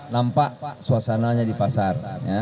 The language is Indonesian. nampak pak suasananya di pasar